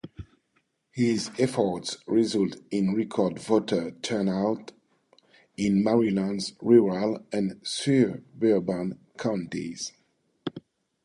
His efforts resulted in record voter turnout in Maryland's rural and suburban counties.